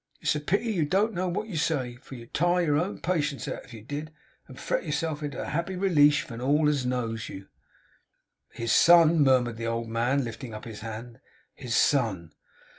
'It's a pity that you don't know wot you say, for you'd tire your own patience out if you did, and fret yourself into a happy releage for all as knows you.' 'His son,' murmured the old man, lifting up his hand. 'His son!